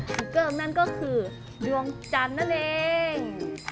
เกิกนั่นก็คือดวงจันทร์นั่นเอง